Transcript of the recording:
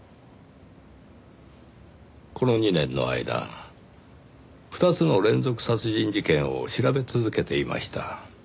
この２年の間２つの連続殺人事件を調べ続けていました。